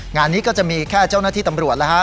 งานนี้ก็จะมีแค่เจ้าหน้าที่ตำรวจแล้วฮะ